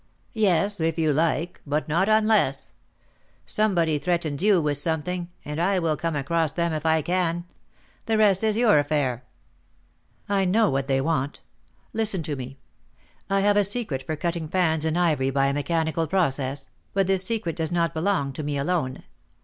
"Yes, if you like, but not unless. Somebody threatens you with something, and I will come across them if I can; the rest is your affair." "I know what they want. Listen to me. I have a secret for cutting fans in ivory by a mechanical process, but this secret does not belong to me alone.